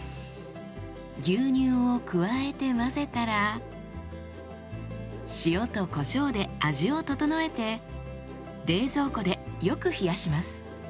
牛乳を加えて混ぜたら塩とこしょうで味を調えて冷蔵庫でよく冷やします。